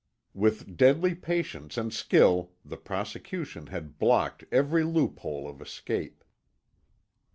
With deadly patience and skill the prosecution had blocked every loophole of escape.